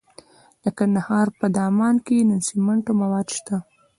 د کندهار په دامان کې د سمنټو مواد شته.